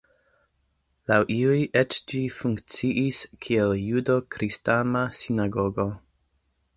Laŭ iuj eĉ ĝi funkciis kiel judo-kristama sinagogo.